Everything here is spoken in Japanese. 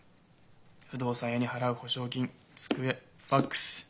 不動産屋に払う保証金机ファックス。